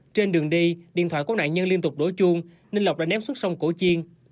trên đường đi điện thoại của nạn nhân liên tục đổi chuông nên lộc đã ném xuống sông cổ chiên